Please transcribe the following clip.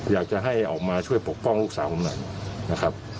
อยากจะให้ออกมาช่วยปกป้องลูกสาวผมหน่อยนะครับ